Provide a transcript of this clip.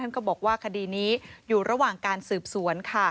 ก็บอกว่าคดีนี้อยู่ระหว่างการสืบสวนค่ะ